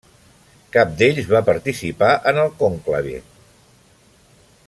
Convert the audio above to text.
Cap d'ells va participar en el conclave.